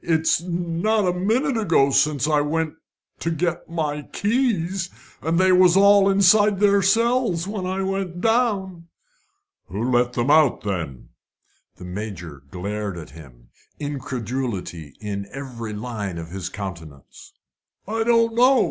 "It's not a minute ago since I went to get my keys, and they was all inside their cells when I went down." "Who let them out, then?" The Major glared at him, incredulity in every line of his countenance. "I don't know.